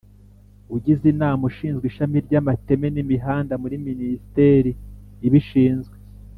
Ugize inama:ushinzwe ishami ry’amateme n’imihanda muri ministeri ibishinzwe